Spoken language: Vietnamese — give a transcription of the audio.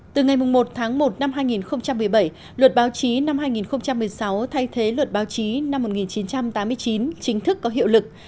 từ ngày một tháng một năm hai nghìn một mươi bảy luật báo chí năm hai nghìn một mươi sáu thay thế luật báo chí năm một nghìn chín trăm tám mươi chín chính thức có hiệu lực